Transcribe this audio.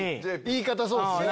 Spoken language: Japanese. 言い方そうですね。